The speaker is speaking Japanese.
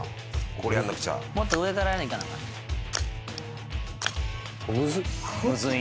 これやんなくちゃもっと上からいかなあかんのちゃうん？